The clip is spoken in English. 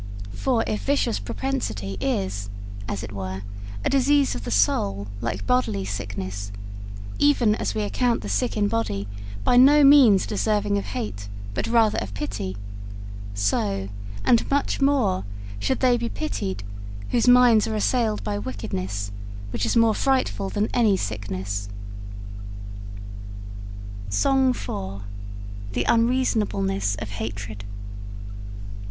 For if vicious propensity is, as it were, a disease of the soul like bodily sickness, even as we account the sick in body by no means deserving of hate, but rather of pity, so, and much more, should they be pitied whose minds are assailed by wickedness, which is more frightful than any sickness.' SONG IV. THE UNREASONABLENESS OF HATRED.